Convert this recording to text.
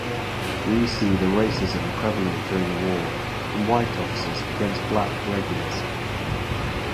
We see the racism prevalent during the war from white officers against black regulars.